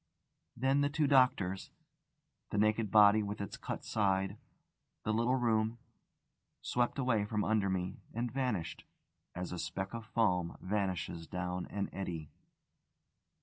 Then the two doctors, the naked body with its cut side, the little room, swept away from under me and vanished, as a speck of foam vanishes down an eddy.